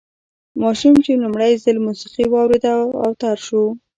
ماشوم چې لومړی ځل موسیقي واورېده اوتر شو